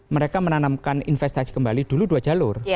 mereka menanamkan investasi kembali dulu dua jalur